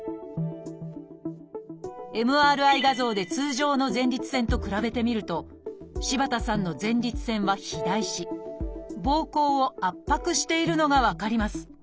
ＭＲＩ画像で通常の前立腺と比べてみると柴田さんの前立腺は肥大しぼうこうを圧迫しているのが分かります。